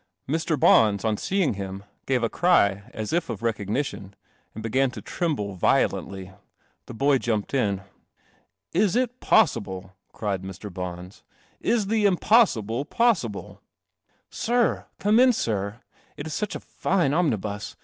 Mr. Bons, on seeing him, gave a cry as if of re cognition, and began to tremble violently. The boy jumped in. " Is it possible?" cried Mr. Bons. "Is the impossible possible ?"" Sir ; come in, sir. It is such a fine omni bus.